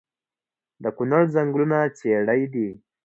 د کونړ ځنګلونه څیړۍ دي